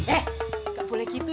eh gak boleh gitu